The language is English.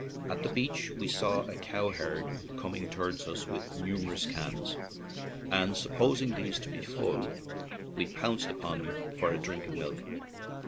At the beach we saw a cowherd coming tow ards us with numerous cans, and, sup posing these to be full, we pounced upon him for a drink of milk.